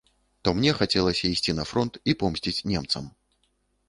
То мне хацелася ісці на фронт і помсціць немцам.